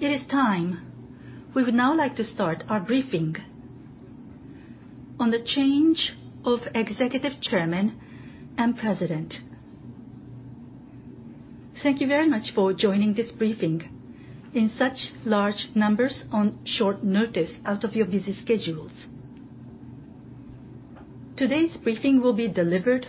It is time. We would now like to start our briefing on the change of executive chairman and president. Thank you very much for joining this briefing in such large numbers on short notice out of your busy schedules. Today's briefing will be delivered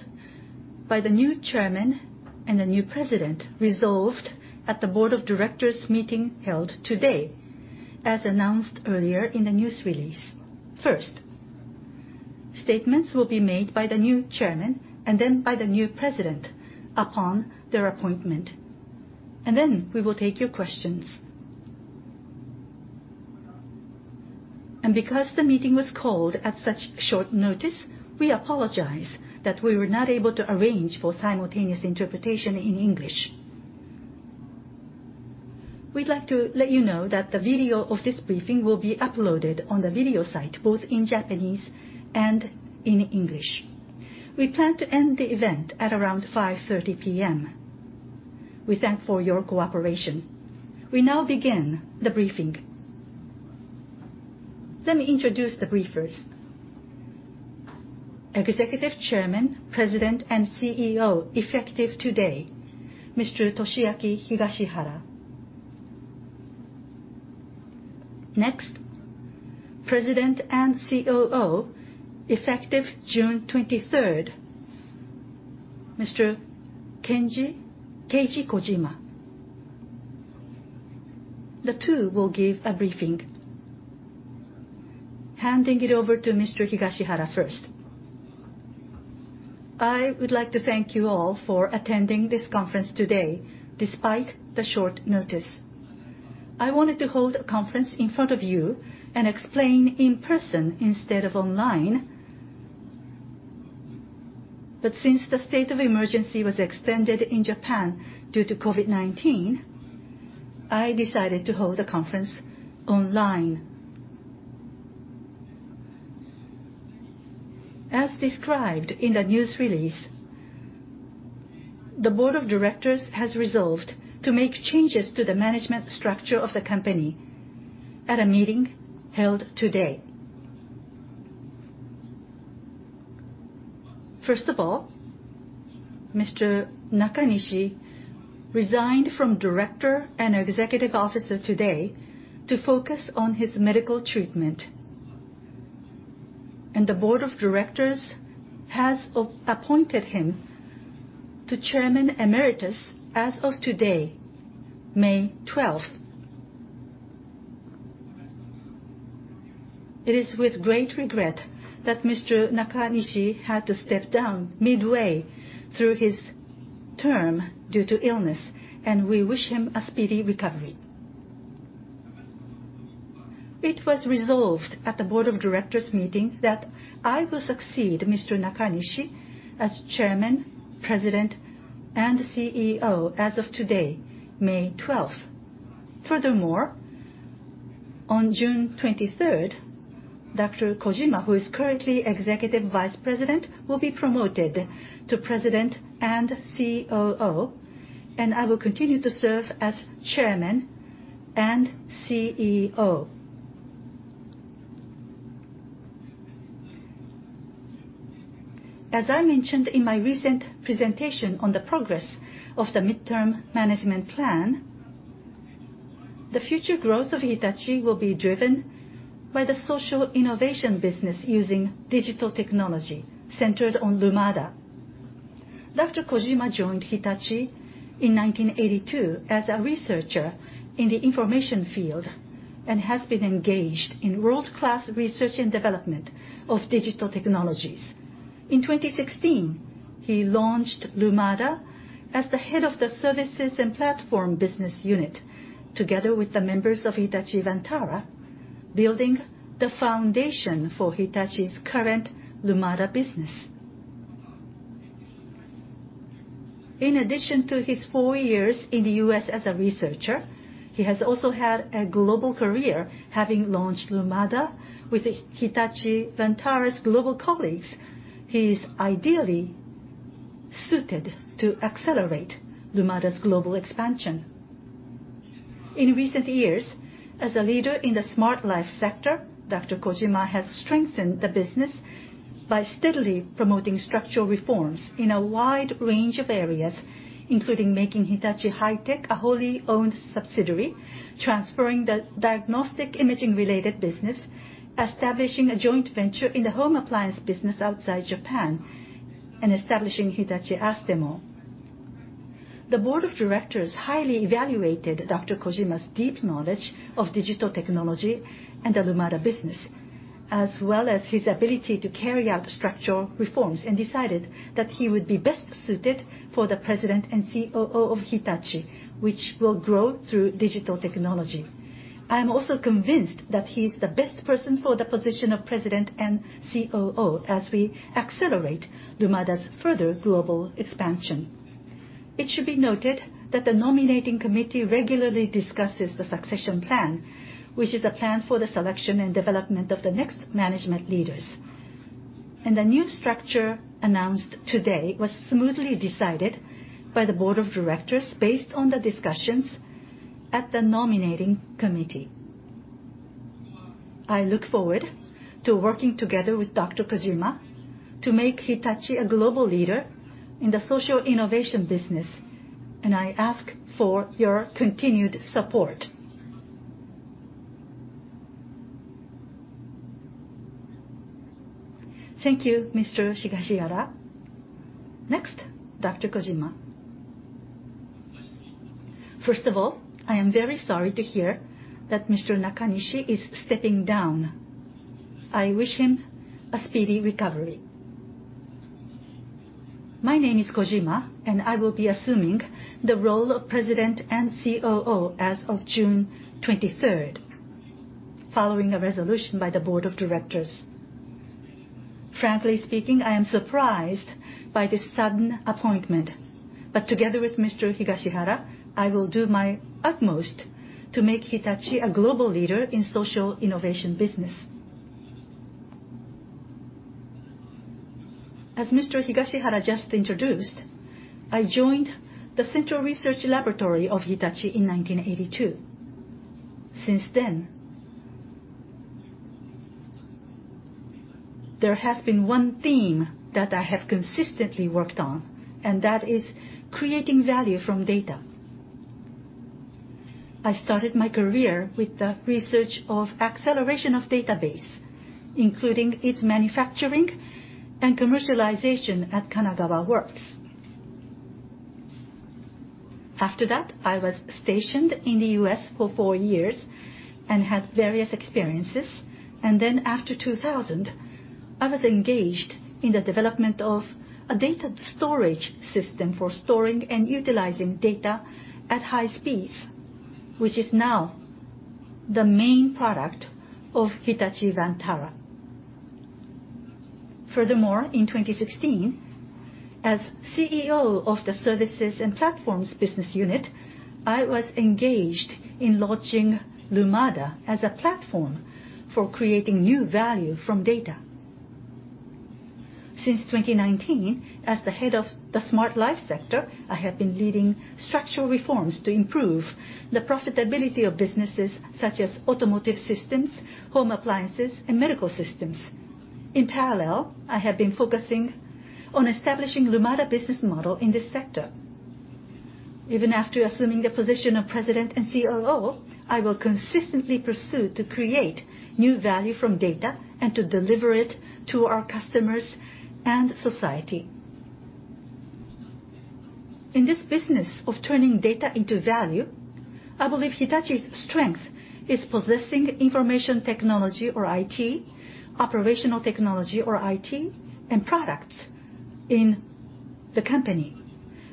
by the new chairman and the new president, resolved at the board of directors meeting held today, as announced earlier in the news release. First, statements will be made by the new chairman, and then by the new president upon their appointment. Then we will take your questions. Because the meeting was called at such short notice, we apologize that we were not able to arrange for simultaneous interpretation in English. We'd like to let you know that the video of this briefing will be uploaded on the video site, both in Japanese and in English. We plan to end the event at around 5:30 P.M. We thank for your cooperation. We now begin the briefing. Let me introduce the briefers. Executive Chairman, President, and CEO effective today, Mr. Toshiaki Higashihara. Next, President and COO, effective June 23rd, Mr. Keiji Kojima. The two will give a briefing. Handing it over to Mr. Higashihara first. I would like to thank you all for attending this conference today, despite the short notice. I wanted to hold a conference in front of you and explain in person instead of online. Since the state of emergency was extended in Japan due to COVID-19, I decided to hold the conference online. As described in the news release, the board of directors has resolved to make changes to the management structure of the company at a meeting held today. Mr. Nakanishi resigned from director and executive officer today to focus on his medical treatment, and the board of directors has appointed him to Chairman Emeritus as of today, May 12th. It is with great regret that Mr. Nakanishi had to step down midway through his term due to illness, and we wish him a speedy recovery. It was resolved at the board of directors meeting that I will succeed Mr. Nakanishi as Chairman, President, and CEO as of today, May 12th. On June 23rd, Dr. Kojima, who is currently Executive Vice President, will be promoted to President and COO, and I will continue to serve as Chairman and CEO. As I mentioned in my recent presentation on the progress of the Mid-term Management Plan, the future growth of Hitachi will be driven by the social innovation business using digital technology centered on Lumada. Dr. Kojima joined Hitachi in 1982 as a researcher in the information field and has been engaged in world-class research and development of digital technologies. In 2016, he launched Lumada as the head of the services and platform business unit, together with the members of Hitachi Vantara, building the foundation for Hitachi's current Lumada business. In addition to his four years in the U.S. as a researcher, he has also had a global career, having launched Lumada with Hitachi Vantara's global colleagues. He is ideally suited to accelerate Lumada's global expansion. In recent years, as a leader in the smart life sector, Dr. Kojima has strengthened the business by steadily promoting structural reforms in a wide range of areas, including making Hitachi High-Tech a wholly owned subsidiary, transferring the diagnostic imaging related business, establishing a joint venture in the home appliance business outside Japan, and establishing Hitachi Astemo. The board of directors highly evaluated Dr. Kojima's deep knowledge of digital technology and the Lumada business, as well as his ability to carry out structural reforms, and decided that he would be best suited for the President and COO of Hitachi, which will grow through digital technology. I am also convinced that he is the best person for the position of President and COO as we accelerate Lumada's further global expansion. It should be noted that the nominating committee regularly discusses the succession plan, which is the plan for the selection and development of the next management leaders. The new structure announced today was smoothly decided by the board of directors based on the discussions at the nominating committee. I look forward to working together with Dr. Kojima to make Hitachi a global leader in the social innovation business, and I ask for your continued support. Thank you, Mr. Higashihara. Next, Dr. Kojima. First of all, I am very sorry to hear that Mr. Nakanishi is stepping down. I wish him a speedy recovery. My name is Kojima, and I will be assuming the role of President and COO as of June 23rd, following a resolution by the board of directors. Frankly speaking, I am surprised by this sudden appointment, but together with Mr. Higashihara, I will do my utmost to make Hitachi a global leader in social innovation business. As Mr. Higashihara just introduced, I joined the Central Research Laboratory of Hitachi in 1982. Since then, there has been one theme that I have consistently worked on, and that is creating value from data. I started my career with the research of acceleration of database, including its manufacturing and commercialization at Kanagawa Works. After that, I was stationed in the U.S. for four years and had various experiences. After 2000, I was engaged in the development of a data storage system for storing and utilizing data at high speeds, which is now the main product of Hitachi Vantara. In 2016, as CEO of the Services and Platforms business unit, I was engaged in launching Lumada as a platform for creating new value from data. Since 2019, as the head of the Smart Life Sector, I have been leading structural reforms to improve the profitability of businesses such as automotive systems, home appliances, and medical systems. In parallel, I have been focusing on establishing Lumada business model in this sector. Even after assuming the position of President and COO, I will consistently pursue to create new value from data and to deliver it to our customers and society. In this business of turning data into value, I believe Hitachi's strength is possessing information technology, or IT, operational technology, or OT, and products in the company.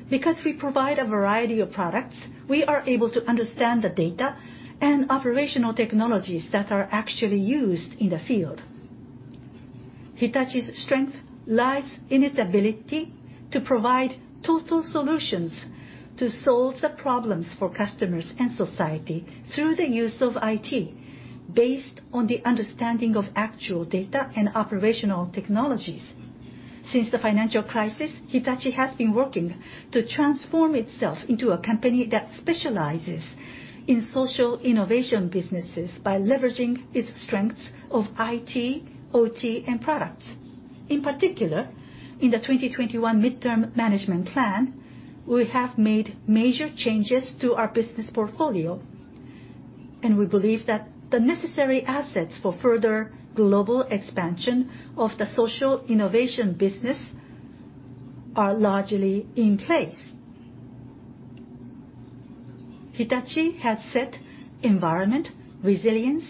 Because we provide a variety of products, we are able to understand the data and operational technologies that are actually used in the field. Hitachi's strength lies in its ability to provide total solutions to solve the problems for customers and society through the use of IT based on the understanding of actual data and operational technologies. Since the financial crisis, Hitachi has been working to transform itself into a company that specializes in social innovation businesses by leveraging its strengths of IT, OT, and products. In particular, in the 2021 Mid-term Management Plan, we have made major changes to our business portfolio, and we believe that the necessary assets for further global expansion of the social innovation business are largely in place. Hitachi has set environment, resilience,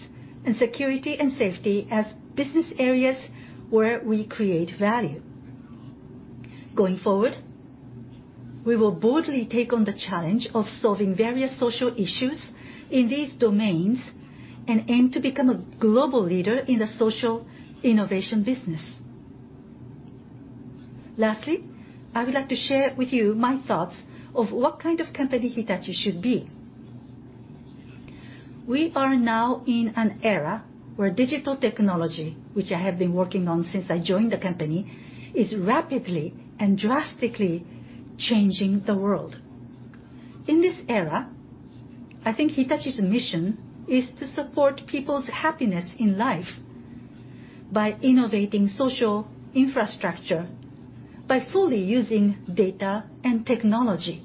and security and safety as business areas where we create value. Going forward, we will boldly take on the challenge of solving various social issues in these domains and aim to become a global leader in the social innovation business. Lastly, I would like to share with you my thoughts of what kind of company Hitachi should be. We are now in an era where digital technology, which I have been working on since I joined the company, is rapidly and drastically changing the world. In this era, I think Hitachi's mission is to support people's happiness in life by innovating social infrastructure, by fully using data and technology.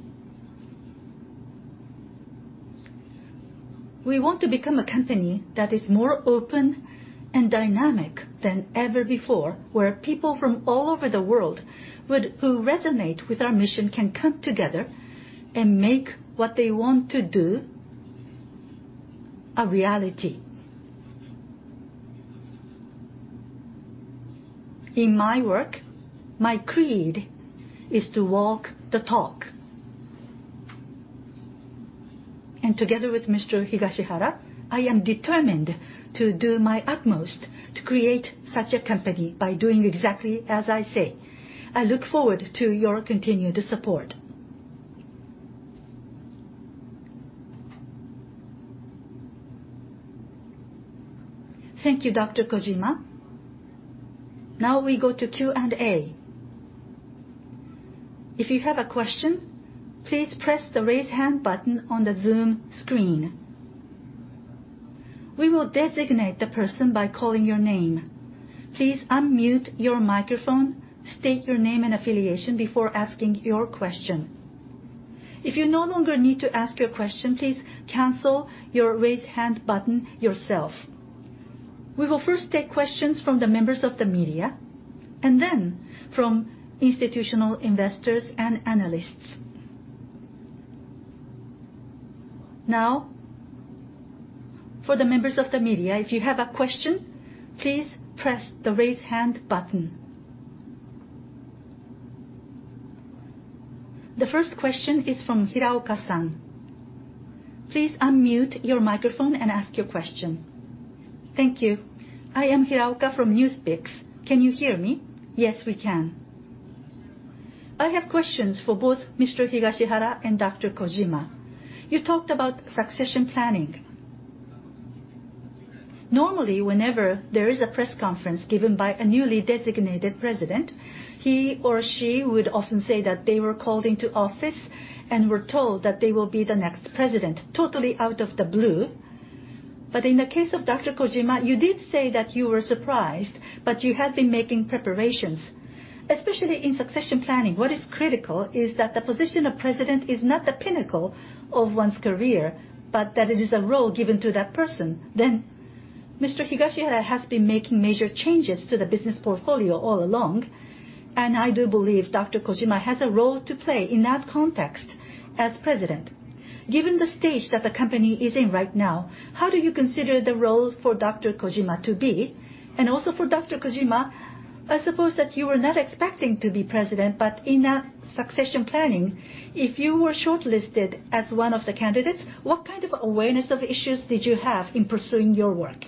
We want to become a company that is more open and dynamic than ever before, where people from all over the world who resonate with our mission can come together and make what they want to do a reality. In my work, my creed is to walk the talk. Together with Mr. Higashihara, I am determined to do my utmost to create such a company by doing exactly as I say. I look forward to your continued support. Thank you, Dr. Kojima. Now we go to Q&A. If you have a question, please press the raise hand button on the zoom screen. We will designate the person by calling your name. Please unmute your microphone, state your name and affiliation before asking your question. If you no longer need to ask your question, please cancel your raise hand button yourself. We will first take questions from the members of the media, and then from institutional investors and analysts. For the members of the media, if you have a question, please press the raise hand button. The first question is from Hiraoka-san. Please unmute your microphone and ask your question. Thank you. I am Hiraoka from NewsPicks. Can you hear me? Yes, we can. I have questions for both Mr. Higashihara and Dr. Kojima. You talked about succession planning. Normally, whenever there is a press conference given by a newly designated president, he or she would often say that they were called into office and were told that they will be the next president, totally out of the blue. In the case of Dr. Kojima, you did say that you were surprised, but you had been making preparations. Especially in succession planning, what is critical is that the position of president is not the pinnacle of one's career, but that it is a role given to that person. Mr. Higashihara has been making major changes to the business portfolio all along, and I do believe Dr. Kojima has a role to play in that context as President. Given the stage that the company is in right now, how do you consider the role for Dr. Kojima to be? Also for Dr. Kojima, I suppose that you were not expecting to be President, but in that succession planning, if you were shortlisted as one of the candidates, what kind of awareness of issues did you have in pursuing your work?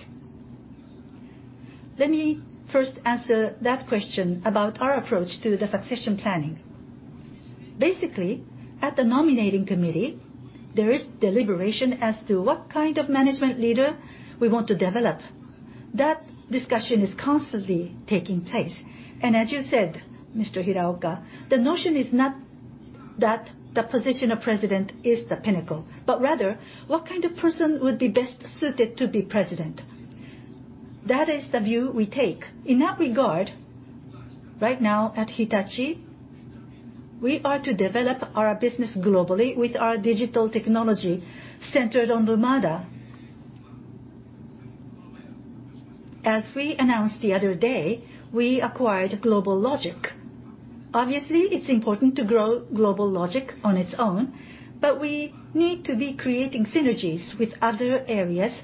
Let me first answer that question about our approach to the succession planning. Basically, at the nominating committee, there is deliberation as to what kind of management leader we want to develop. That discussion is constantly taking place. As you said, Mr. Hiraoka, the notion is not that the position of President is the pinnacle, but rather what kind of person would be best suited to be President. That is the view we take. In that regard, right now at Hitachi, we are to develop our business globally with our digital technology centered on Lumada. As we announced the other day, we acquired GlobalLogic. Obviously, it's important to grow GlobalLogic on its own, but we need to be creating synergies with other areas,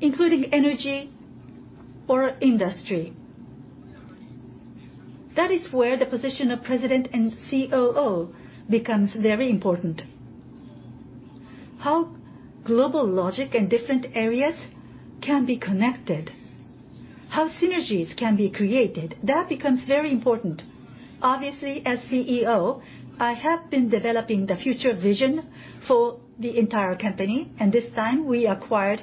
including energy or industry. That is where the position of President and COO becomes very important. How GlobalLogic and different areas can be connected, how synergies can be created, that becomes very important. Obviously, as CEO, I have been developing the future vision for the entire company, and this time we acquired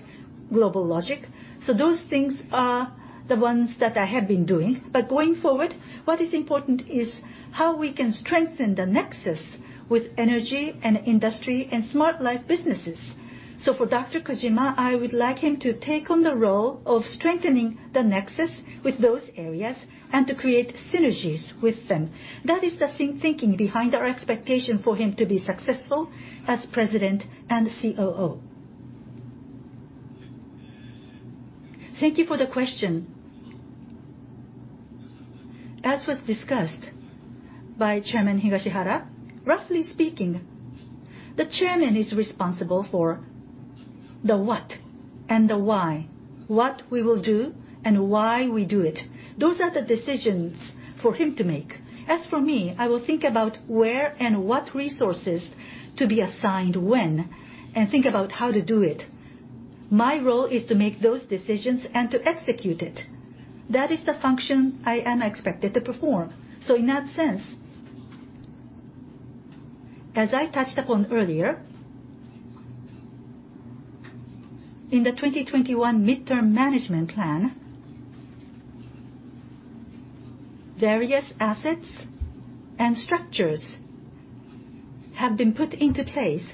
GlobalLogic. Those things are the ones that I have been doing. Going forward, what is important is how we can strengthen the nexus with energy and industry and smart life businesses. For Dr. Kojima, I would like him to take on the role of strengthening the nexus with those areas, and to create synergies with them. That is the thinking behind our expectation for him to be successful as President and COO. Thank you for the question. As was discussed by Chairman Higashihara, roughly speaking, the chairman is responsible for the what and the why, what we will do, and why we do it. Those are the decisions for him to make. As for me, I will think about where and what resources to be assigned when, and think about how to do it. My role is to make those decisions and to execute it. That is the function I am expected to perform. In that sense, as I touched upon earlier, in the 2021 Mid-term Management Plan, various assets and structures have been put into place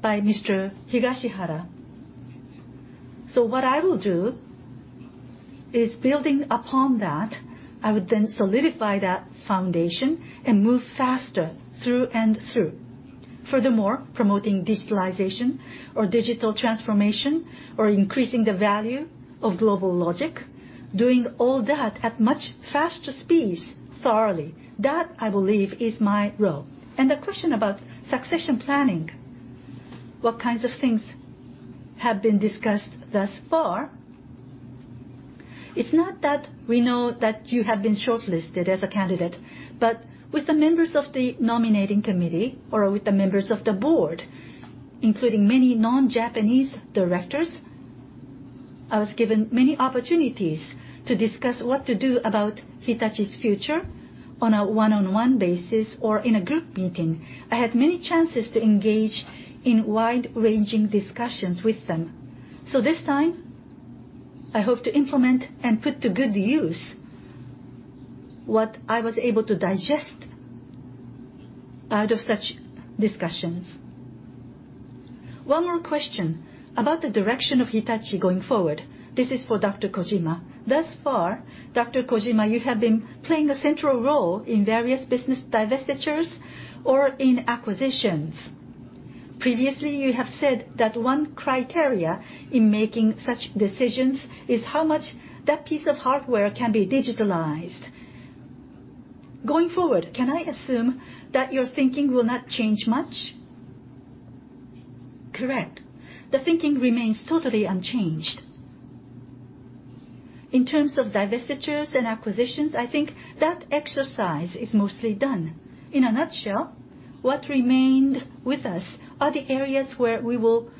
by Mr. Higashihara. What I will do is building upon that, I would then solidify that foundation and move faster through and through. Furthermore, promoting digitalization or digital transformation, or increasing the value of GlobalLogic, doing all that at much faster speeds thoroughly. That, I believe, is my role. The question about succession planning, what kinds of things have been discussed thus far. It's not that we know that you have been shortlisted as a candidate, but with the members of the nominating committee or with the members of the board, including many non-Japanese directors, I was given many opportunities to discuss what to do about Hitachi's future. On a one-on-one basis or in a group meeting, I had many chances to engage in wide-ranging discussions with them. This time, I hope to implement and put to good use what I was able to digest out of such discussions. One more question about the direction of Hitachi going forward. This is for Dr. Kojima. Thus far, Dr. Kojima, you have been playing a central role in various business divestitures or in acquisitions. Previously, you have said that one criteria in making such decisions is how much that piece of hardware can be digitalized. Going forward, can I assume that your thinking will not change much? Correct. The thinking remains totally unchanged. In terms of divestitures and acquisitions, I think that exercise is mostly done. In a nutshell, what remained with us are the areas where we will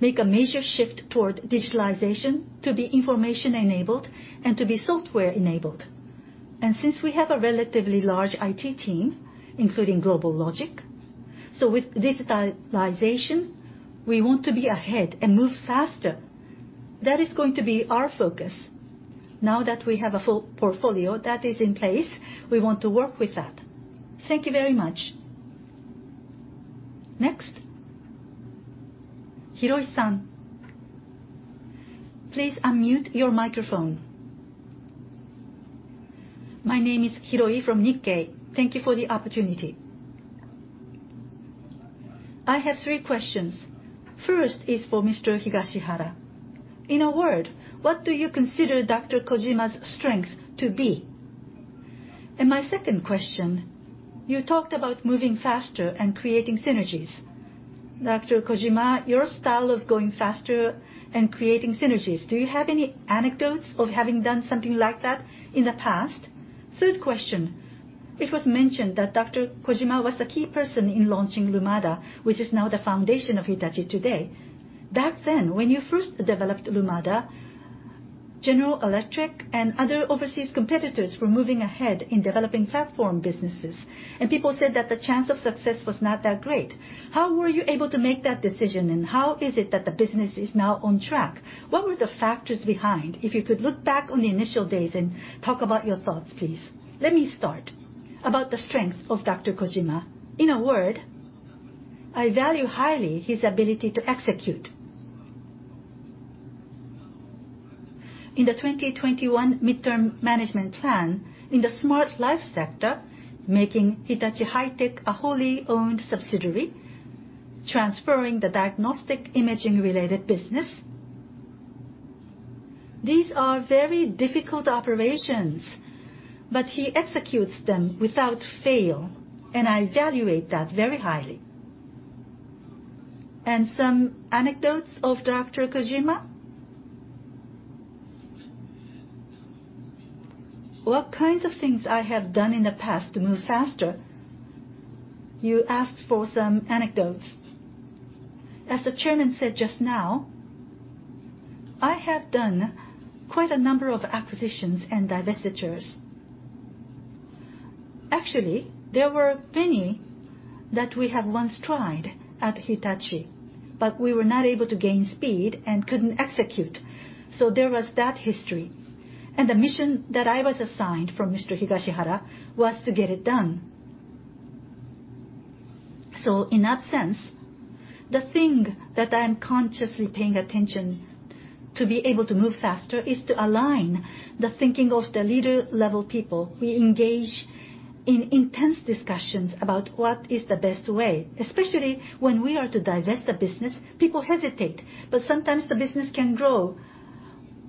make a major shift toward digitalization to be information enabled and to be software enabled. Since we have a relatively large IT team, including GlobalLogic, with digitalization, we want to be ahead and move faster. That is going to be our focus. Now that we have a full portfolio that is in place, we want to work with that. Thank you very much. Next. Hiroi-san, please unmute your microphone. My name is Hiroi from Nikkei. Thank you for the opportunity. I have three questions. First is for Mr. Higashihara. In a word, what do you consider Dr. Kojima's strength to be? My second question, you talked about moving faster and creating synergies. Dr. Kojima, your style of going faster and creating synergies, do you have any anecdotes of having done something like that in the past? Third question, it was mentioned that Dr. Kojima was the key person in launching Lumada, which is now the foundation of Hitachi today. Back then, when you first developed Lumada, General Electric and other overseas competitors were moving ahead in developing platform businesses, people said that the chance of success was not that great. How were you able to make that decision, how is it that the business is now on track? What were the factors behind, if you could look back on the initial days and talk about your thoughts, please. Let me start. About the strength of Dr. Kojima, in a word, I value highly his ability to execute. In the 2021 Mid-term Management Plan, in the smart life sector, making Hitachi High-Tech a wholly owned subsidiary, transferring the diagnostic imaging related business, these are very difficult operations, but he executes them without fail, and I evaluate that very highly. Some anecdotes of Dr. Kojima? What kinds of things I have done in the past to move faster, you asked for some anecdotes. As the chairman said just now, I have done quite a number of acquisitions and divestitures. Actually, there were many that we have once tried at Hitachi, but we were not able to gain speed and couldn't execute. There was that history. The mission that I was assigned from Mr. Higashihara was to get it done. In that sense, the thing that I'm consciously paying attention to be able to move faster is to align the thinking of the leader-level people. We engage in intense discussions about what is the best way, especially when we are to divest the business, people hesitate, but sometimes the business can grow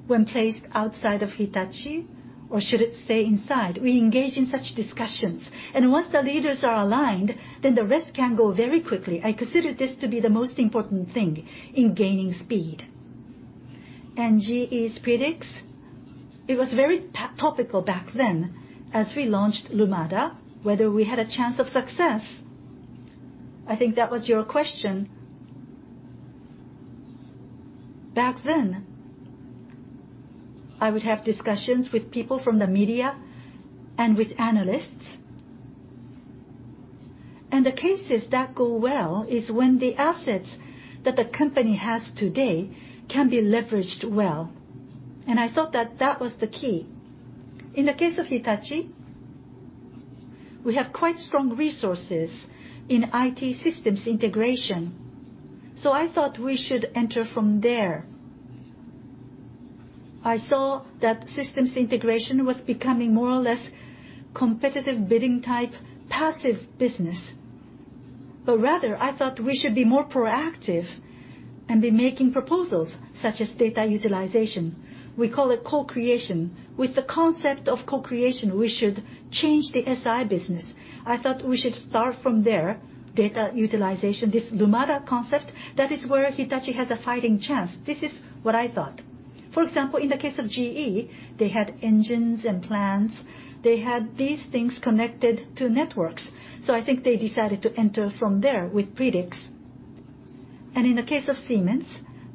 when placed outside of Hitachi, or should it stay inside? We engage in such discussions. Once the leaders are aligned, the rest can go very quickly. I consider this to be the most important thing in gaining speed. GE's Predix, it was very topical back then as we launched Lumada, whether we had a chance of success. I think that was your question. Back then, I would have discussions with people from the media and with analysts. The cases that go well is when the assets that the company has today can be leveraged well, and I thought that that was the key. In the case of Hitachi, we have quite strong resources in IT systems integration. I thought we should enter from there. I saw that systems integration was becoming more or less competitive bidding type, passive business. Rather, I thought we should be more proactive and be making proposals such as data utilization. We call it co-creation. With the concept of co-creation, we should change the SI business. I thought we should start from there, data utilization, this Lumada concept, that is where Hitachi has a fighting chance. This is what I thought. For example, in the case of GE, they had engines and plants. They had these things connected to networks. I think they decided to enter from there with Predix. In the case of Siemens,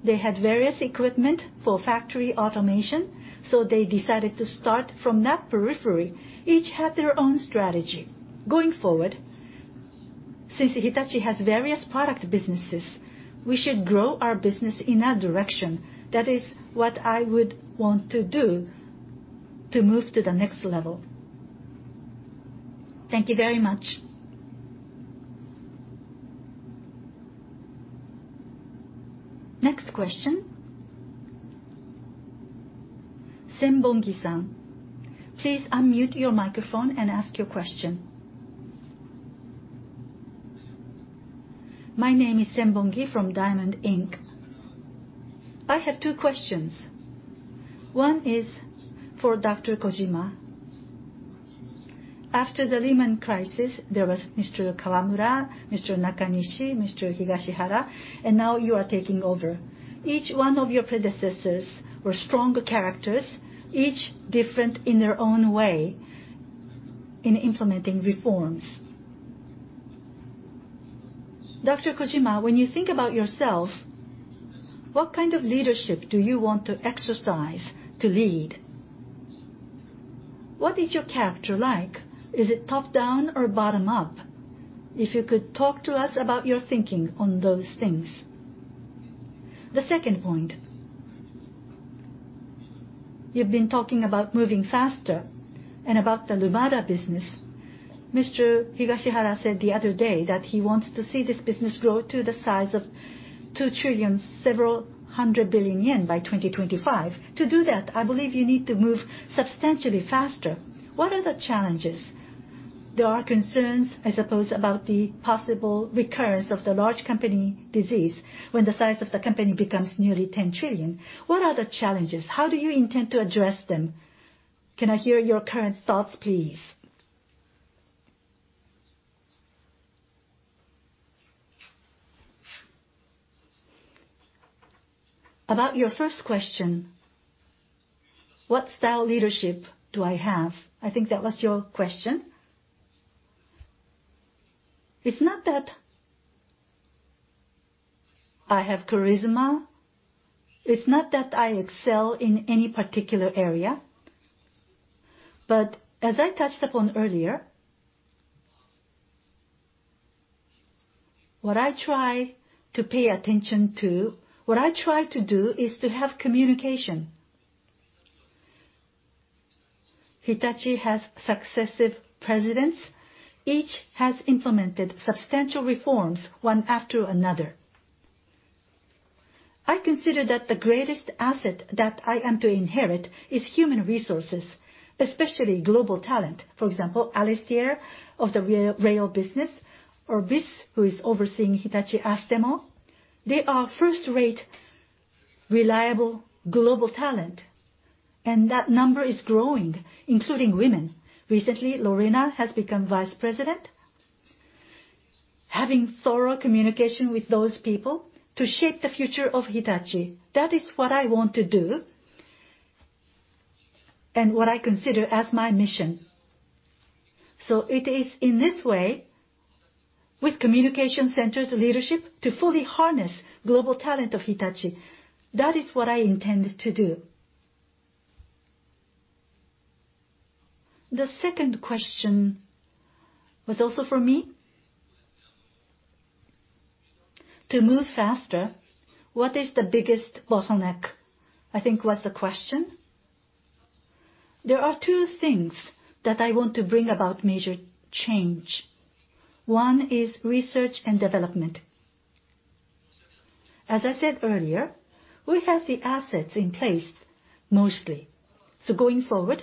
they had various equipment for factory automation. They decided to start from that periphery. Each had their own strategy. Going forward, since Hitachi has various product businesses, we should grow our business in that direction. That is what I would want to do to move to the next level. Thank you very much. Next question. Senbongi-san, please unmute your microphone and ask your question. My name is Senbongi from Diamond, Inc. I have two questions. One is for Dr. Kojima. After the Lehman crisis, there was Mr. Kawamura, Mr. Nakanishi, Mr. Higashihara, and now you are taking over. Each one of your predecessors were strong characters, each different in their own way in implementing reforms. Dr. Kojima, when you think about yourself, what kind of leadership do you want to exercise to lead? What is your character like? Is it top-down or bottom-up? If you could talk to us about your thinking on those things. The second point, you've been talking about moving faster and about the Lumada business. Mr. Higashihara said the other day that he wants to see this business grow to the size of 2 trillion, several hundred billion JPY by 2025. To do that, I believe you need to move substantially faster. What are the challenges? There are concerns, I suppose, about the possible recurrence of the large company disease when the size of the company becomes nearly 10 trillion JPY. What are the challenges? How do you intend to address them? Can I hear your current thoughts, please? About your first question, what style leadership do I have? I think that was your question. It's not that I have charisma. It's not that I excel in any particular area. As I touched upon earlier, what I try to pay attention to, what I try to do, is to have communication. Hitachi has successive presidents. Each has implemented substantial reforms, one after another. I consider that the greatest asset that I am to inherit is human resources, especially global talent. For example, Alistair of the rail business, or Brice Koch, who is overseeing Hitachi Astemo. They are first-rate, reliable, global talent, and that number is growing, including women. Recently, Lorena has become vice president. Having thorough communication with those people to shape the future of Hitachi, that is what I want to do and what I consider as my mission. It is in this way, with communication-centered leadership, to fully harness global talent of Hitachi. That is what I intend to do. The second question was also for me? To move faster, what is the biggest bottleneck, I think was the question? There are two things that I want to bring about major change. One is R&D. As I said earlier, we have the assets in place, mostly. Going forward,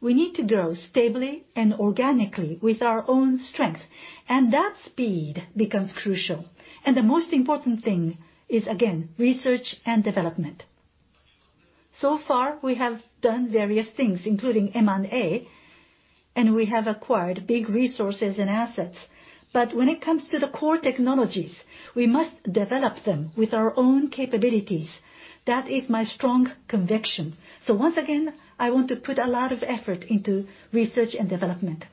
we need to grow stably and organically with our own strength, and that speed becomes crucial. The most important thing is, again, research and development. So far, we have done various things, including M&A, and we have acquired big resources and assets. When it comes to the core technologies, we must develop them with our own capabilities. That is my strong conviction. Once again, I want to put a lot of effort into research and development.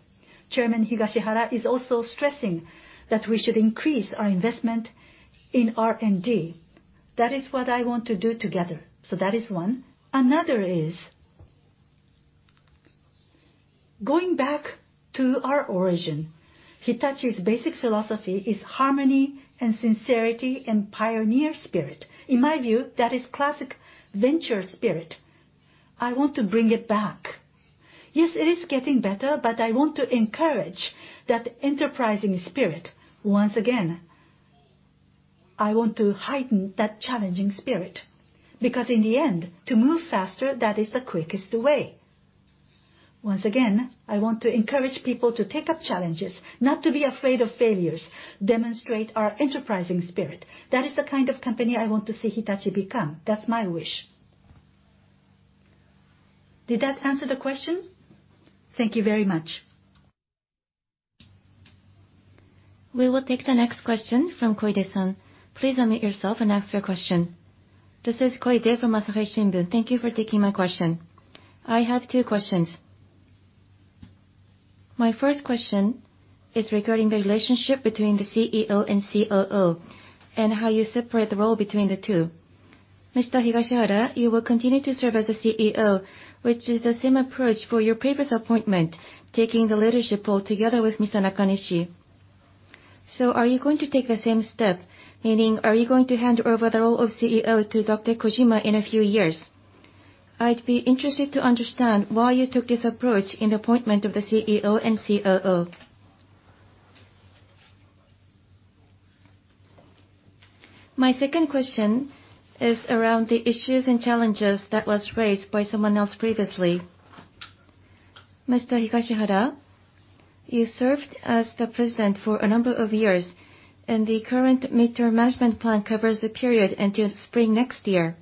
Chairman Higashihara is also stressing that we should increase our investment in R&D. That is what I want to do together. That is one. Another is, going back to our origin, Hitachi's basic philosophy is harmony and sincerity and pioneer spirit. In my view, that is classic venture spirit. I want to bring it back. Yes, it is getting better, but I want to encourage that enterprising spirit once again. I want to heighten that challenging spirit, because in the end, to move faster, that is the quickest way. Once again, I want to encourage people to take up challenges, not to be afraid of failures, demonstrate our enterprising spirit. That is the kind of company I want to see Hitachi become. That's my wish. Did that answer the question? Thank you very much. We will take the next question from Koide-san. Please unmute yourself and ask your question. This is Koide from Asahi Shimbun. Thank you for taking my question. I have two questions. My first question is regarding the relationship between the CEO and COO, and how you separate the role between the two. Mr. Higashihara, you will continue to serve as the CEO, which is the same approach for your previous appointment, taking the leadership role together with Mr. Nakanishi. Are you going to take the same step, meaning are you going to hand over the role of CEO to Dr. Kojima in a few years? I'd be interested to understand why you took this approach in the appointment of the CEO and COO. My second question is around the issues and challenges that was raised by someone else previously. Mr. Higashihara, you served as the President for a number of years, and the current Mid-term Management Plan covers the period until spring next year.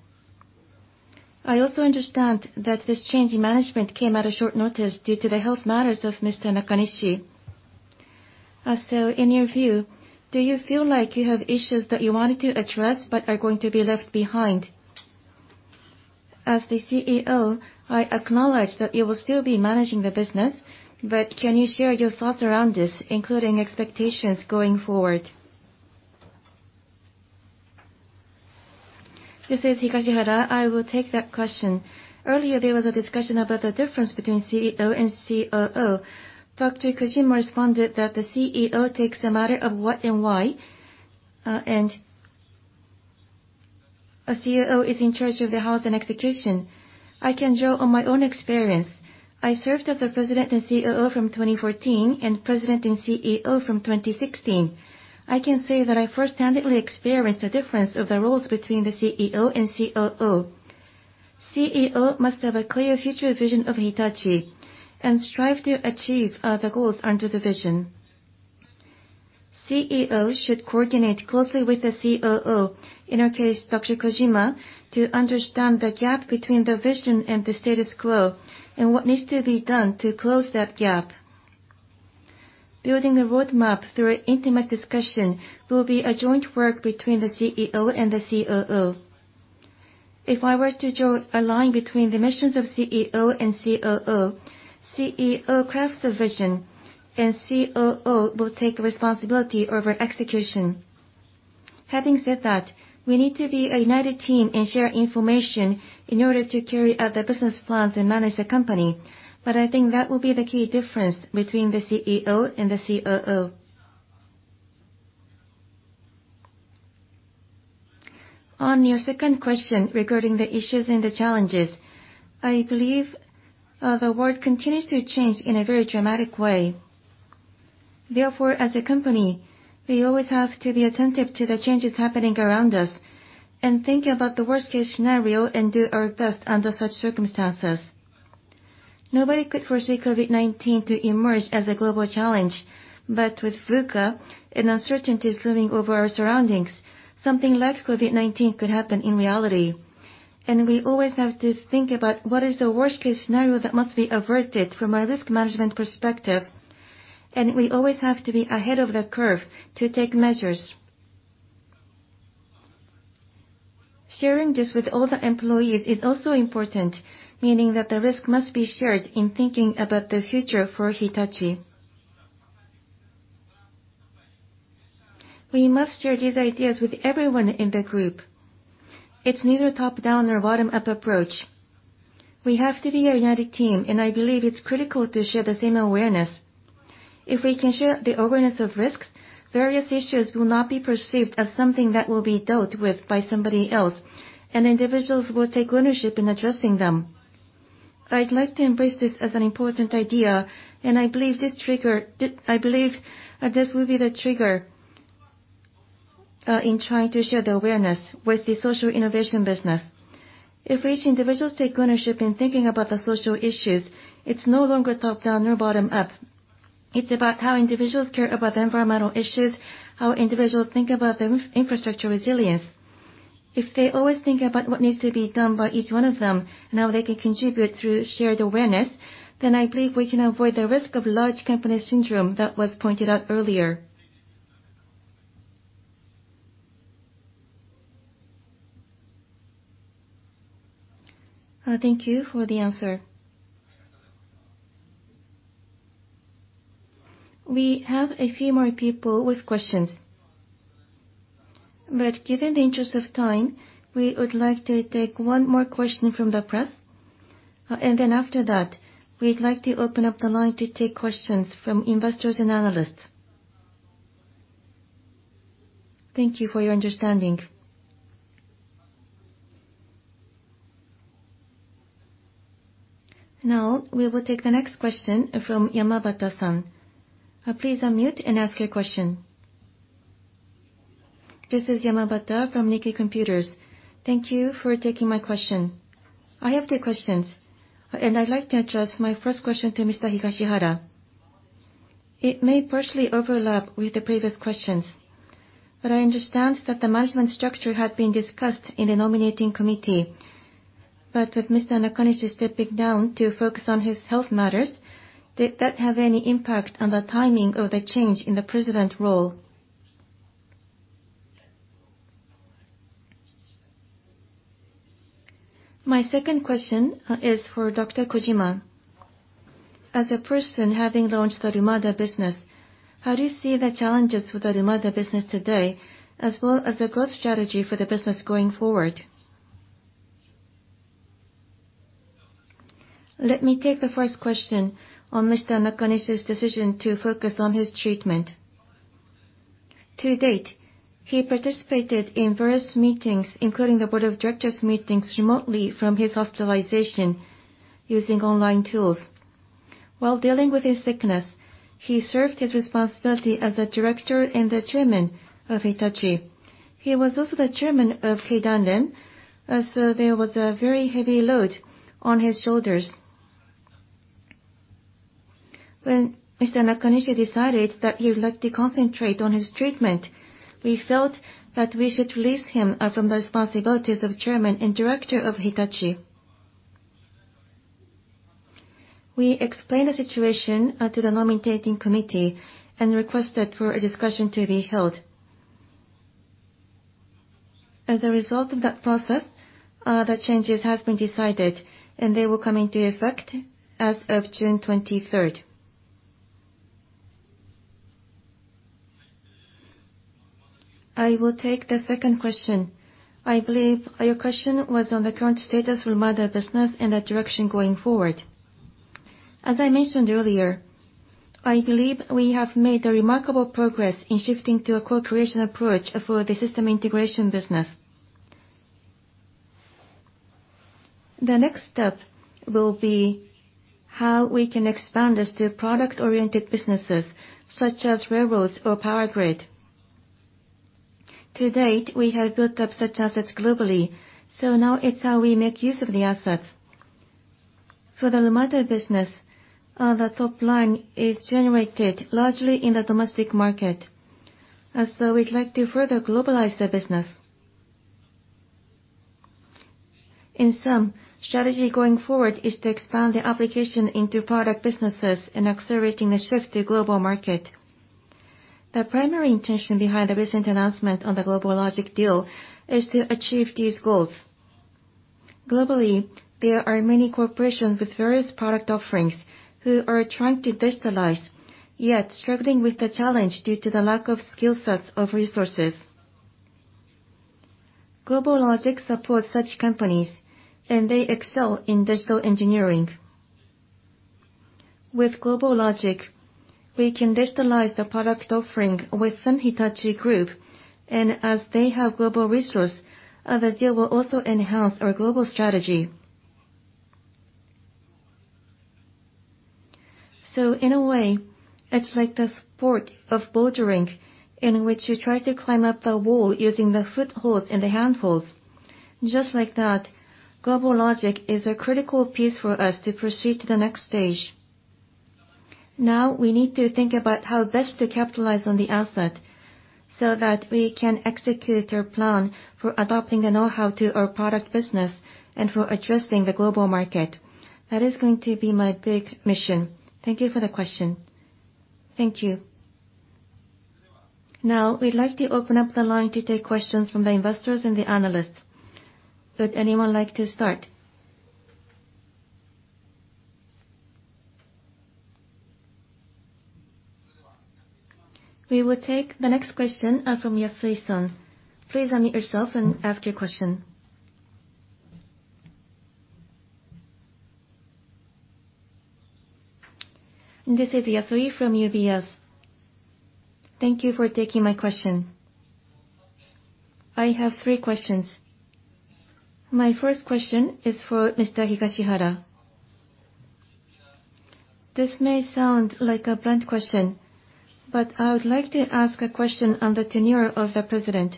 I also understand that this change in management came at a short notice due to the health matters of Mr. Nakanishi. In your view, do you feel like you have issues that you wanted to address but are going to be left behind? As the CEO, I acknowledge that you will still be managing the business, but can you share your thoughts around this, including expectations going forward? This is Higashihara. I will take that question. Earlier, there was a discussion about the difference between CEO and COO. Dr. Kojima responded that the CEO takes a matter of what and why, and a COO is in charge of the hows and execution. I can draw on my own experience. I served as the President and COO from 2014, and President and CEO from 2016. I can say that I firsthand experienced the difference of the roles between the CEO and COO. CEO must have a clear future vision of Hitachi and strive to achieve the goals under the vision. CEO should coordinate closely with the COO, in our case, Dr. Kojima, to understand the gap between the vision and the status quo, and what needs to be done to close that gap. Building a roadmap through an intimate discussion will be a joint work between the CEO and the COO. If I were to draw a line between the missions of CEO and COO, CEO crafts the vision, and COO will take responsibility over execution. Having said that, we need to be a united team and share information in order to carry out the business plans and manage the company. I think that will be the key difference between the CEO and the COO. On your second question regarding the issues and the challenges, I believe the world continues to change in a very dramatic way. Therefore, as a company, we always have to be attentive to the changes happening around us and think about the worst-case scenario and do our best under such circumstances. Nobody could foresee COVID-19 to emerge as a global challenge. With VUCA and uncertainties looming over our surroundings, something like COVID-19 could happen in reality, and we always have to think about what is the worst-case scenario that must be averted from a risk management perspective. We always have to be ahead of the curve to take measures. Sharing this with all the employees is also important, meaning that the risk must be shared in thinking about the future for Hitachi. We must share these ideas with everyone in the group. It's neither a top-down nor bottom-up approach. We have to be a united team, and I believe it's critical to share the same awareness. If we can share the awareness of risks, various issues will not be perceived as something that will be dealt with by somebody else, and individuals will take ownership in addressing them. I'd like to embrace this as an important idea, and I believe this will be the trigger in trying to share the awareness with the Social Innovation Business. If each individual takes ownership in thinking about the social issues, it's no longer top-down or bottom-up. It's about how individuals care about the environmental issues, how individuals think about the infrastructure resilience. If they always think about what needs to be done by each one of them and how they can contribute through shared awareness, then I believe we can avoid the risk of large company syndrome that was pointed out earlier. Thank you for the answer. We have a few more people with questions. Given the interest of time, we would like to take one more question from the press, and then after that, we'd like to open up the line to take questions from investors and analysts. Thank you for your understanding. We will take the next question from Yamabata-san. Please unmute and ask your question. This is Yamabata from Nikkei Computer. Thank you for taking my question. I have two questions. I'd like to address my first question to Mr. Higashihara. It may partially overlap with the previous questions. I understand that the management structure had been discussed in the nominating committee. With Mr. Nakanishi stepping down to focus on his health matters, did that have any impact on the timing of the change in the president role? My second question is for Dr. Kojima. As a person having launched the Lumada business, how do you see the challenges with the Lumada business today, as well as the growth strategy for the business going forward? Let me take the first question on Mr. Nakanishi's decision to focus on his treatment. To date, he participated in various meetings, including the board of directors meetings, remotely from his hospitalization using online tools. While dealing with his sickness, he served his responsibility as a director and the chairman of Hitachi. He was also the chairman of Keidanren. There was a very heavy load on his shoulders. When Mr. Nakanishi decided that he would like to concentrate on his treatment, we felt that we should release him from the responsibilities of chairman and director of Hitachi. We explained the situation to the nominating committee and requested for a discussion to be held. As a result of that process, the changes have been decided, and they will come into effect as of June 23rd. I will take the second question. I believe your question was on the current status of Lumada business and the direction going forward. As I mentioned earlier, I believe we have made remarkable progress in shifting to a co-creation approach for the system integration business. The next step will be how we can expand this to product-oriented businesses such as railroads or power grid. To date, we have built up such assets globally, so now it's how we make use of the assets. For the Lumada business, the top line is generated largely in the domestic market. Also, we'd like to further globalize the business. In sum, strategy going forward is to expand the application into product businesses and accelerating the shift to global market. The primary intention behind the recent announcement on the GlobalLogic deal is to achieve these goals. Globally, there are many corporations with various product offerings who are trying to digitalize, yet struggling with the challenge due to the lack of skill sets of resources. GlobalLogic supports such companies, and they excel in digital engineering. With GlobalLogic, we can digitalize the product offering within Hitachi Group. As they have global resource, the deal will also enhance our global strategy. In a way, it's like the sport of bouldering, in which you try to climb up the wall using the footholds and the handholds. Just like that, GlobalLogic is a critical piece for us to proceed to the next stage. We need to think about how best to capitalize on the asset so that we can execute our plan for adopting the know-how to our product business and for addressing the global market. That is going to be my big mission. Thank you for the question. Thank you. We'd like to open up the line to take questions from the investors and the analysts. Would anyone like to start? We will take the next question from Yasui-san. Please unmute yourself and ask your question. This is Yasui from UBS. Thank you for taking my question. I have three questions. My first question is for Mr. Higashihara. This may sound like a blunt question, but I would like to ask a question on the tenure of the president.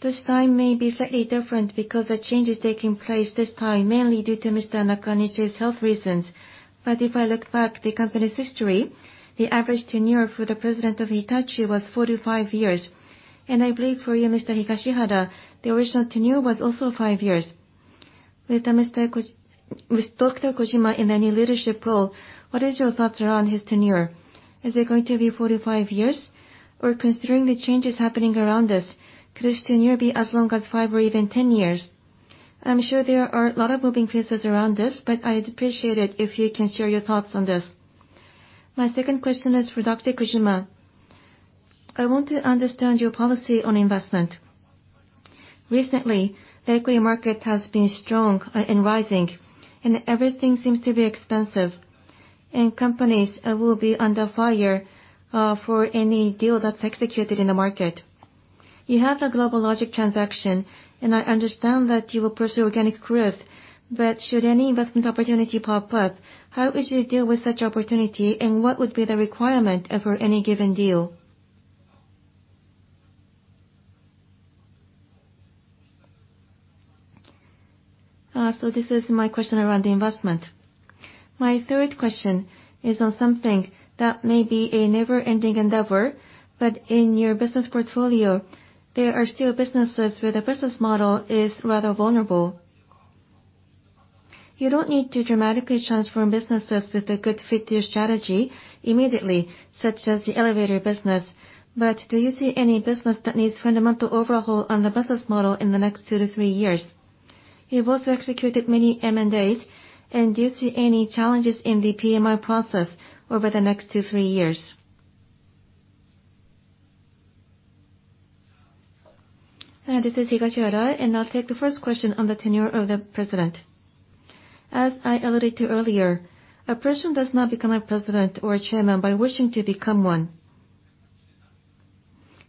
This time may be slightly different because the changes taking place this time, mainly due to Mr. Nakanishi's health reasons. If I look back the company's history, the average tenure for the president of Hitachi was four to five years. I believe for you, Mr. Higashihara, the original tenure was also five years. With Dr. Kojima in a new leadership role, what is your thoughts around his tenure? Is it going to be 45 years? Considering the changes happening around us, could his tenure be as long as five or even 10 years? I'm sure there are a lot of moving pieces around this, but I'd appreciate it if you can share your thoughts on this. My second question is for Dr. Kojima. I want to understand your policy on investment. Recently, the equity market has been strong and rising, and everything seems to be expensive, and companies will be under fire for any deal that's executed in the market. You have the GlobalLogic transaction, and I understand that you will pursue organic growth, but should any investment opportunity pop up, how would you deal with such opportunity, and what would be the requirement for any given deal? This is my question around the investment. My third question is on something that may be a never-ending endeavor, but in your business portfolio, there are still businesses where the business model is rather vulnerable. You don't need to dramatically transform businesses with a good fit to your strategy immediately, such as the elevator business. Do you see any business that needs fundamental overhaul on the business model in the next two to three years? You've also executed many M&As. Do you see any challenges in the PMI process over the next two, three years? This is Higashihara, and I'll take the first question on the tenure of the president. As I alluded to earlier, a person does not become a president or a chairman by wishing to become one.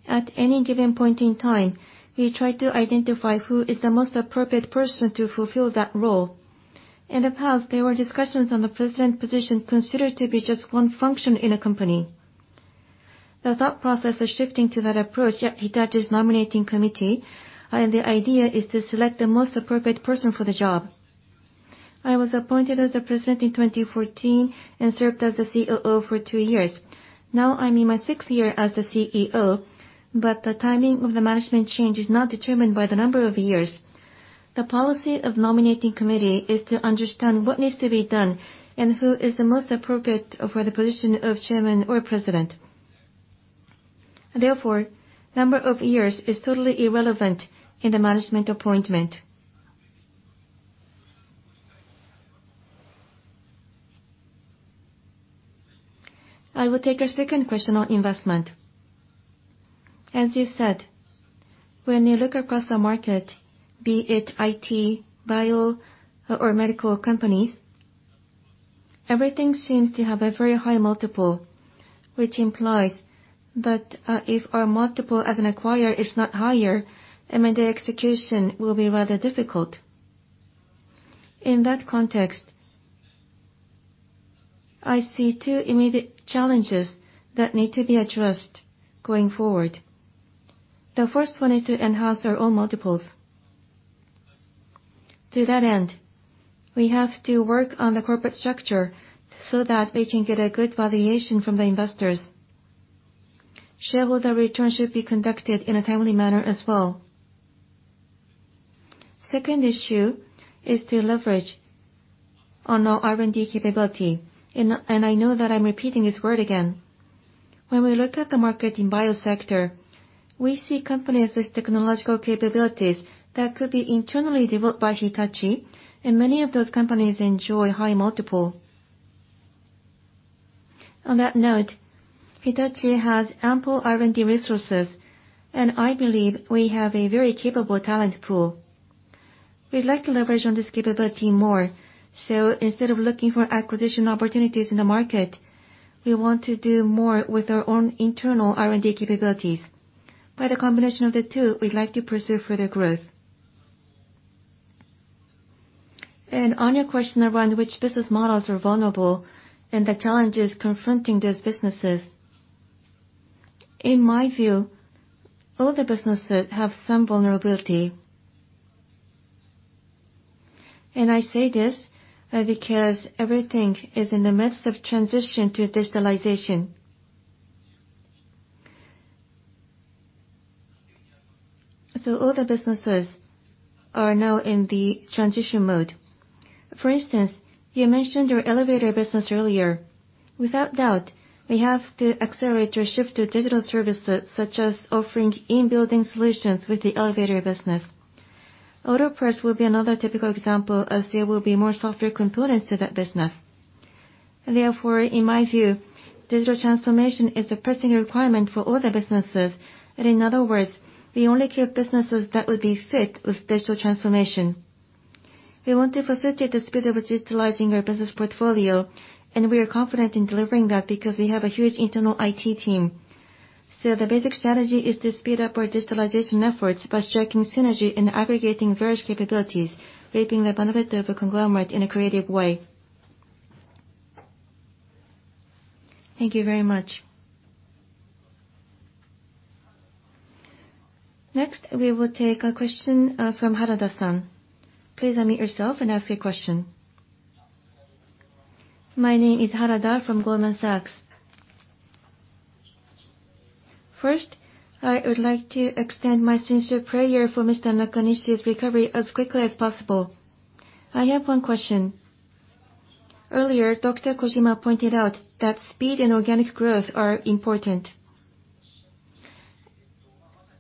At any given point in time, we try to identify who is the most appropriate person to fulfill that role. In the past, there were discussions on the President position considered to be just one function in a company. The thought process is shifting to that approach at Hitachi's Nominating Committee. The idea is to select the most appropriate person for the job. I was appointed as the President in 2014 and served as the COO for two years. Now I'm in my sixth year as the CEO. The timing of the management change is not determined by the number of years. The policy of Nominating Committee is to understand what needs to be done and who is the most appropriate for the position of Chairman or President. Therefore, number of years is totally irrelevant in the management appointment. I will take a second question on investment. As you said, when you look across the market, be it IT, bio, or medical companies, everything seems to have a very high multiple, which implies that if our multiple as an acquirer is not higher, M&A execution will be rather difficult. In that context, I see two immediate challenges that need to be addressed going forward. The first one is to enhance our own multiples. To that end, we have to work on the corporate structure so that we can get a good valuation from the investors. Shareholder return should be conducted in a timely manner as well. Second issue is to leverage on our R&D capability. I know that I'm repeating this word again. When we look at the market in bio sector, we see companies with technological capabilities that could be internally developed by Hitachi, and many of those companies enjoy high multiple. On that note, Hitachi has ample R&D resources, and I believe we have a very capable talent pool. We'd like to leverage on this capability more. Instead of looking for acquisition opportunities in the market, we want to do more with our own internal R&D capabilities. By the combination of the two, we'd like to pursue further growth. On your question around which business models are vulnerable and the challenges confronting those businesses, in my view, all the businesses have some vulnerability. I say this because everything is in the midst of transition to digitalization. All the businesses are now in the transition mode. For instance, you mentioned our elevator business earlier. Without doubt, we have to accelerate our shift to digital services such as offering in-building solutions with the elevator business. Auto parts will be another typical example as there will be more software components to that business. In my view, digital transformation is a pressing requirement for all the businesses. In other words, we only keep businesses that would be fit with digital transformation. We want to facilitate the speed of digitalizing our business portfolio, and we are confident in delivering that because we have a huge internal IT team. The basic strategy is to speed up our digitalization efforts by striking synergy and aggregating various capabilities, reaping the benefit of a conglomerate in a creative way. Thank you very much. Next, we will take a question from Harada-san. Please unmute yourself and ask your question. My name is Harada from Goldman Sachs. First, I would like to extend my sincere prayer for Mr. Nakanishi's recovery as quickly as possible. I have one question. Earlier, Dr. Kojima pointed out that speed and organic growth are important.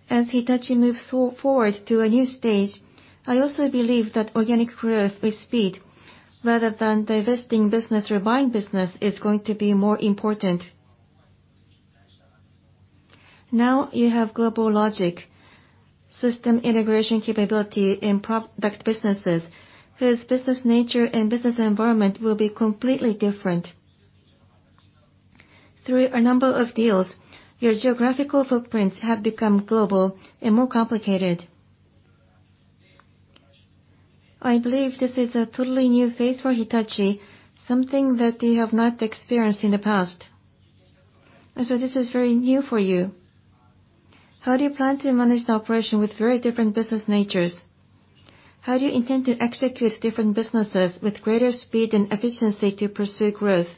As Hitachi moves forward to a new stage, I also believe that organic growth with speed, rather than divesting business or buying business, is going to be more important. Now you have GlobalLogic, system integration capability in product businesses, whose business nature and business environment will be completely different. Through a number of deals, your geographical footprints have become global and more complicated. I believe this is a totally new phase for Hitachi, something that you have not experienced in the past. This is very new for you. How do you plan to manage the operation with very different business natures? How do you intend to execute different businesses with greater speed and efficiency to pursue growth?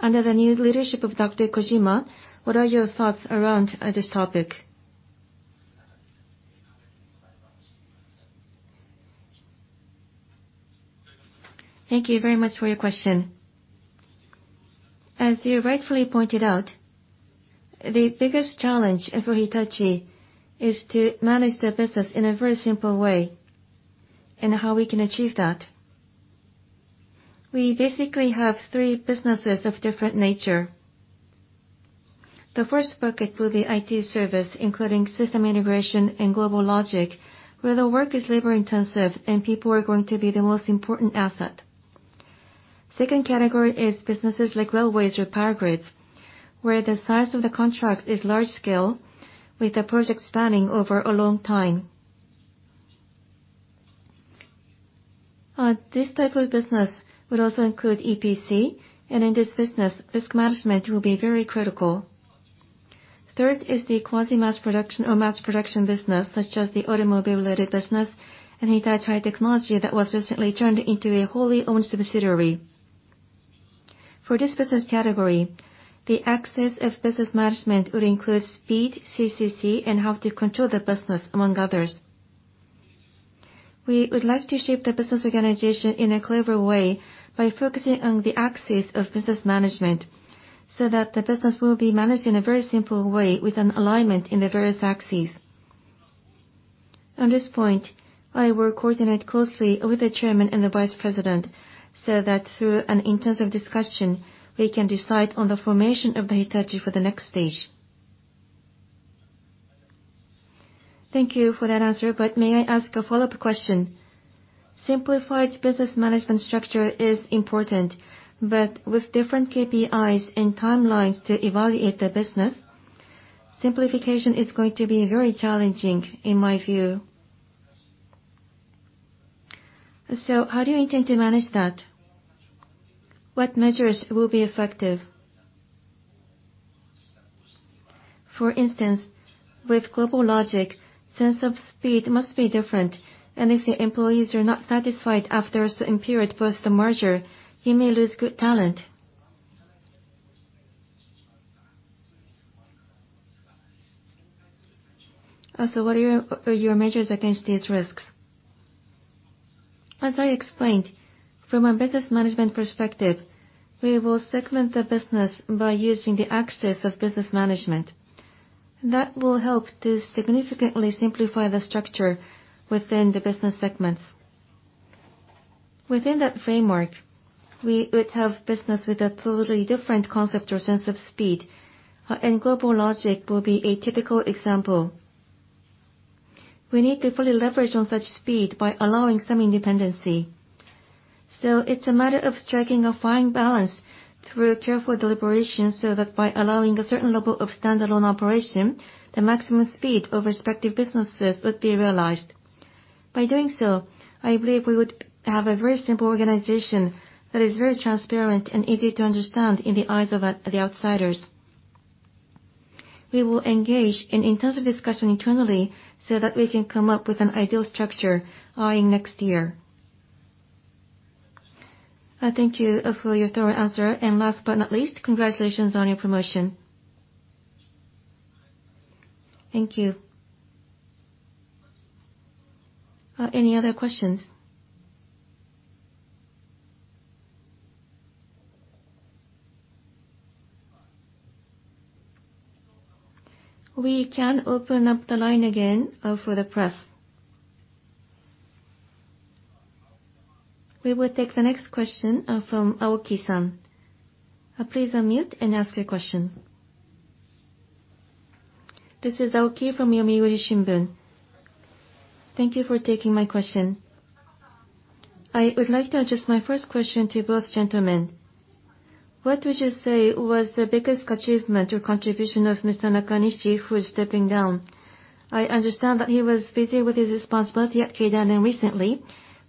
Under the new leadership of Dr. Kojima, what are your thoughts around this topic? Thank you very much for your question. As you rightfully pointed out, the biggest challenge for Hitachi is to manage the business in a very simple way, and how we can achieve that. We basically have three businesses of different nature. The first bucket will be IT service, including system integration and GlobalLogic, where the work is labor-intensive and people are going to be the most important asset. Second category is businesses like railways or power grids, where the size of the contract is large scale with the project spanning over a long time. This type of business would also include EPC, and in this business, risk management will be very critical. Third is the quasi mass production or mass production business, such as the automobile-related business and Hitachi High-Technologies that was recently turned into a wholly owned subsidiary. For this business category, the axis of business management would include speed, CCC, and how to control the business, among others. We would like to shape the business organization in a clever way by focusing on the axis of business management, so that the business will be managed in a very simple way with an alignment in the various axes. On this point, I will coordinate closely with the chairman and the vice president, so that through an intensive discussion, we can decide on the formation of Hitachi for the next stage. Thank you for that answer, may I ask a follow-up question? Simplified business management structure is important, but with different KPIs and timelines to evaluate the business, simplification is going to be very challenging, in my view. How do you intend to manage that? What measures will be effective? For instance, with GlobalLogic, sense of speed must be different, and if the employees are not satisfied after a certain period post the merger, you may lose good talent. What are your measures against these risks? As I explained, from a business management perspective, we will segment the business by using the axis of business management. That will help to significantly simplify the structure within the business segments. Within that framework, we would have business with a totally different concept or sense of speed, and GlobalLogic will be a typical example. We need to fully leverage on such speed by allowing some independency. It's a matter of striking a fine balance through careful deliberation, so that by allowing a certain level of standalone operation, the maximum speed of respective businesses would be realized. By doing so, I believe we would have a very simple organization that is very transparent and easy to understand in the eyes of the outsiders. We will engage in intensive discussion internally so that we can come up with an ideal structure by next year. Thank you for your thorough answer. Last but not least, congratulations on your promotion. Thank you. Any other questions? We can open up the line again for the press. We will take the next question from Aoki-san. Please unmute and ask your question. This is Aoki from Yomiuri Shimbun. Thank you for taking my question. I would like to address my first question to both gentlemen. What would you say was the biggest achievement or contribution of Mr. Nakanishi, who is stepping down? I understand that he was busy with his responsibility at Keidanren recently.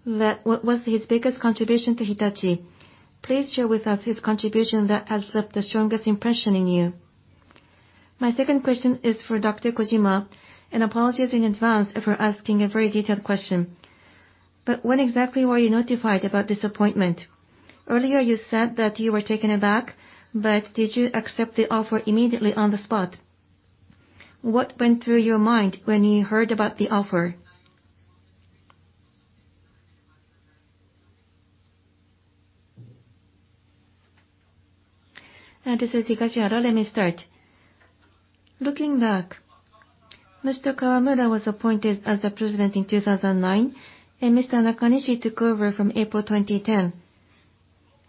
What was his biggest contribution to Hitachi? Please share with us his contribution that has left the strongest impression in you. My second question is for Dr. Kojima, and apologies in advance for asking a very detailed question. When exactly were you notified about this appointment? Earlier, you said that you were taken aback, but did you accept the offer immediately on the spot? What went through your mind when you heard about the offer? This is Higashihara. Let me start. Looking back, Mr. Kawamura was appointed as the president in 2009, and Mr. Nakanishi took over from April 2010.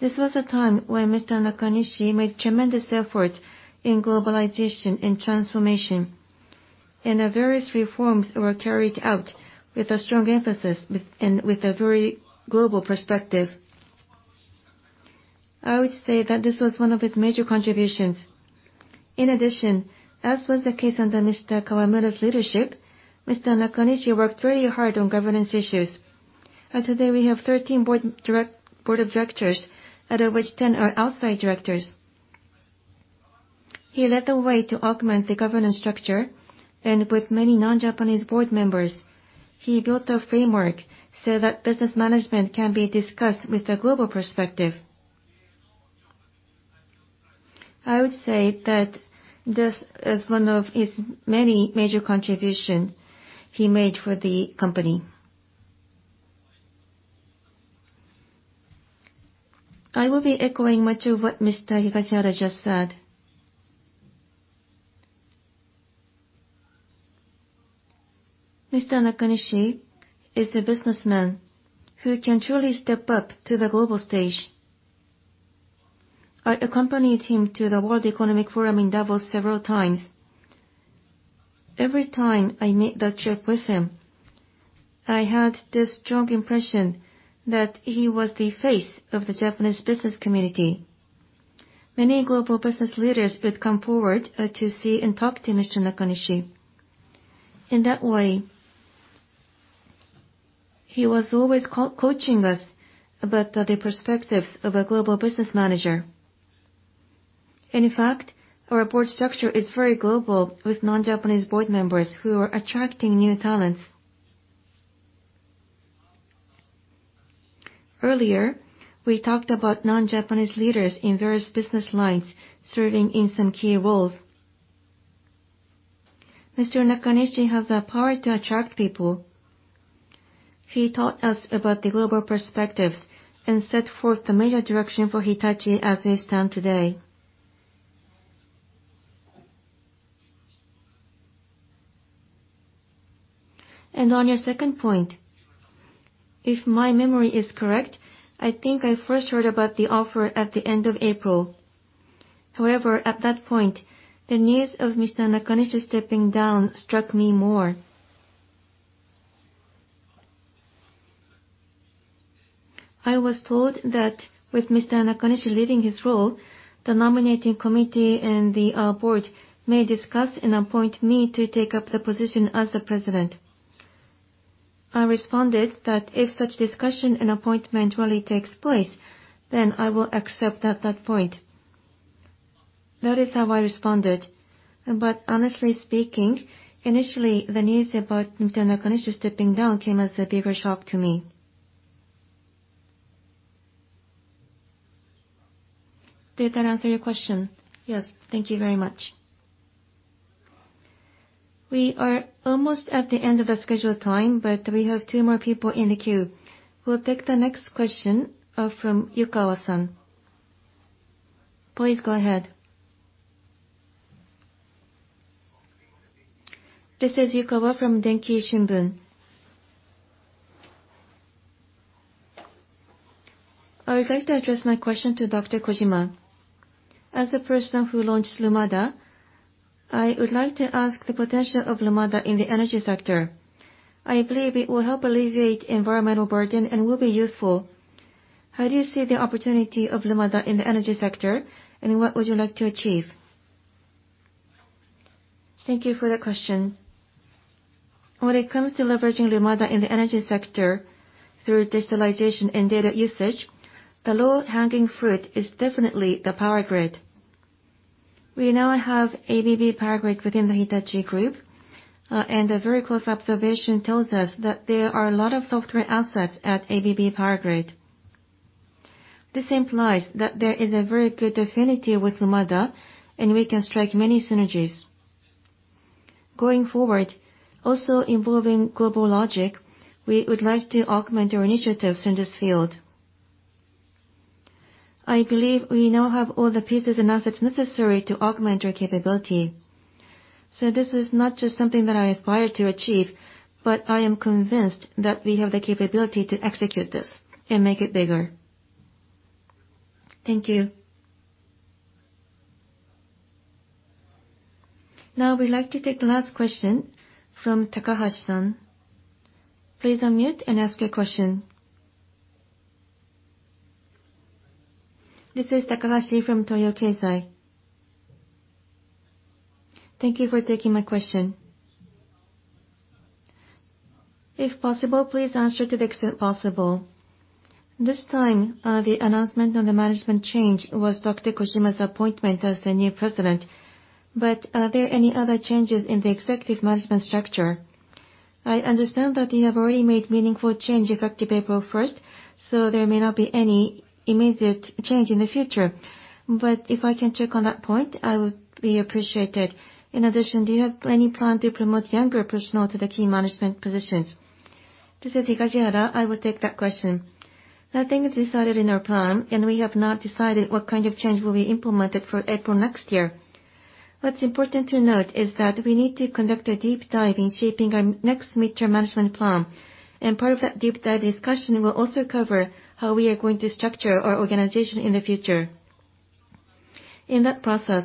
This was a time when Mr. Nakanishi made tremendous efforts in globalization and transformation, and various reforms were carried out with a strong emphasis and with a very global perspective. I would say that this was one of his major contributions. In addition, as was the case under Mr. Kawamura's leadership, Mr. Nakanishi worked very hard on governance issues. As of today, we have 13 board of directors, out of which 10 are outside directors. He led the way to augment the governance structure, and with many non-Japanese board members, he built a framework so that business management can be discussed with a global perspective. I would say that this is one of his many major contributions he made for the company. I will be echoing much of what Mr. Higashihara just said. Mr. Nakanishi is a businessman who can truly step up to the global stage. I accompanied him to the World Economic Forum in Davos several times. Every time I made that trip with him, I had this strong impression that he was the face of the Japanese business community. Many global business leaders would come forward to see and talk to Mr. Nakanishi. In that way, he was always coaching us about the perspectives of a global business manager. In fact, our board structure is very global, with non-Japanese board members who are attracting new talents. Earlier, we talked about non-Japanese leaders in various business lines serving in some key roles. Mr. Nakanishi has the power to attract people. He taught us about the global perspectives and set forth the major direction for Hitachi as it stands today. On your second point, if my memory is correct, I think I first heard about the offer at the end of April. However, at that point, the news of Mr. Nakanishi stepping down struck me more. I was told that with Mr. Nakanishi leaving his role, the nominating committee and the board may discuss and appoint me to take up the position as the president. I responded that if such discussion and appointment really takes place, then I will accept at that point. That is how I responded. Honestly speaking, initially, the news about Mr. Nakanishi stepping down came as a bigger shock to me. Did that answer your question? Yes. Thank you very much. We are almost at the end of the scheduled time, but we have two more people in the queue. We'll take the next question from Yukawa-san. Please go ahead. This is Yukawa from Denki Shimbun. I would like to address my question to Dr. Kojima. As the person who launched Lumada, I would like to ask the potential of Lumada in the energy sector. I believe it will help alleviate environmental burden and will be useful. How do you see the opportunity of Lumada in the energy sector, and what would you like to achieve? Thank you for that question. When it comes to leveraging Lumada in the energy sector through digitalization and data usage, the low-hanging fruit is definitely the power grid. We now have ABB Power Grids within the Hitachi group, and a very close observation tells us that there are a lot of software assets at ABB Power Grids. This implies that there is a very good affinity with Lumada, and we can strike many synergies. Going forward, also involving GlobalLogic, we would like to augment our initiatives in this field. I believe we now have all the pieces and assets necessary to augment our capability. This is not just something that I aspire to achieve, but I am convinced that we have the capability to execute this and make it bigger. Thank you. Now we'd like to take the last question from Takahashi-san. Please unmute and ask your question. This is Takahashi from Toyo Keizai. Thank you for taking my question. If possible, please answer to the extent possible. This time, the announcement on the management change was Dr. Kojima's appointment as the new President, but are there any other changes in the executive management structure? I understand that you have already made meaningful change effective April 1st, so there may not be any immediate change in the future. If I can check on that point, I would appreciate it. In addition, do you have any plan to promote younger personnel to the key management positions? This is Higashihara. I will take that question. Nothing is decided in our plan. We have not decided what kind of change will be implemented for April next year. What's important to note is that we need to conduct a deep dive in shaping our next Mid-term Management Plan. Part of that deep dive discussion will also cover how we are going to structure our organization in the future. In that process,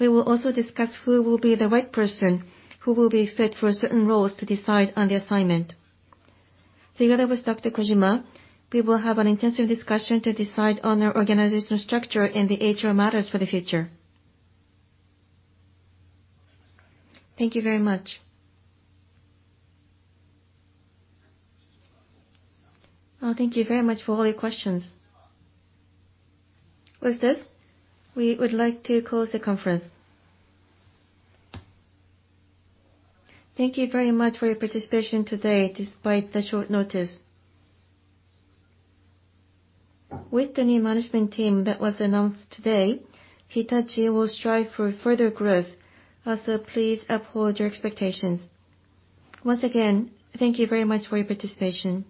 we will also discuss who will be the right person who will be fit for certain roles to decide on the assignment. Together with Dr. Kojima, we will have an intensive discussion to decide on our organizational structure and the HR matters for the future. Thank you very much. Well, thank you very much for all your questions. With this, we would like to close the conference. Thank you very much for your participation today, despite the short notice. With the new management team that was announced today, Hitachi will strive for further growth. Please uphold your expectations. Once again, thank you very much for your participation.